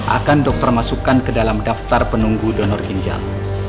akan dokter masukkan ke dalam daftar penunggu donor ginjal